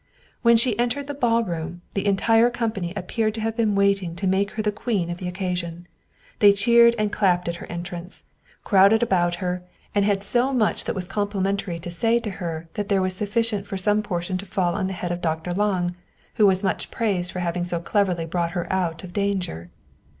When she entered the ballroom, the entire company appeared to have been waiting to make her the queen of the occasion. They cheered and clapped 120 Wilhelm Hauff at her entrance, crowded about her, and had so much that was complimentary to say to her that there was sufficient for some portion to fall on the head of Dr. Lange, who was much praised for having so cleverly brought her out of danger.